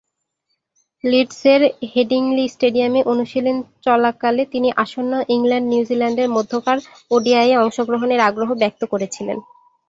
লিডসের Headingley স্টেডিয়ামে অনুশীলন চলাকালে তিনি আসন্ন ইংল্যান্ড-নিউজিল্যান্ডের মধ্যকার ওডিআইয়ে অংশগ্রহণের আগ্রহ ব্যক্ত করেছিলেন।